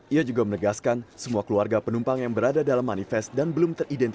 ia juga menegaskan semua keluarga penumpang yang berada dalam manifest dan belum teridentifikasi